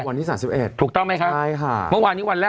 วันนี้๓๑ถูกต้องไหมครับเมื่อวานนี้วันแรก